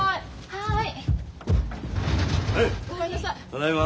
はい。